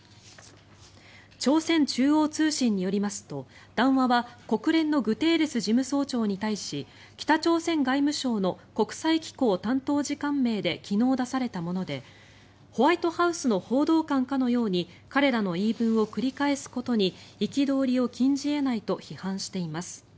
朝鮮中央通信によりますと談話は国連のグテーレス事務総長に対し北朝鮮外務省の国際機構担当次官名で昨日、出されたものでホワイトハウスの報道官かのように彼らの言い分を繰り返すことに憤りを禁じ得ないと批判しています。